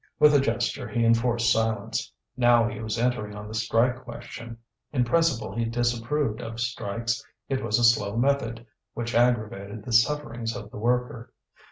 With a gesture he enforced silence. Now he was entering on the strike question. In principle he disapproved of strikes; it was a slow method, which aggravated the sufferings of the worker.